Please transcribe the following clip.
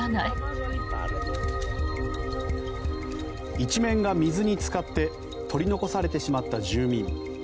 一面が水につかって取り残されてしまった住民。